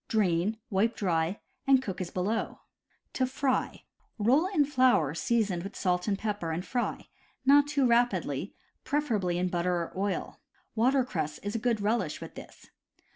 Drain, wipe dry, and cook as below: To fry: roll in flour seasoned with salt and pepper and fry, not too rapidly, preferably in butter or oil. Water cress is a good relish with them.